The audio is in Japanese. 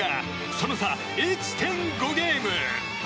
その差、１．５ゲーム。